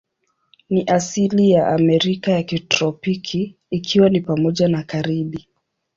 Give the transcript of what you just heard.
Ni asili ya Amerika ya kitropiki, ikiwa ni pamoja na Karibi.